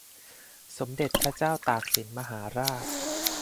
สมเด็จพระเจ้าตากสินมหาราช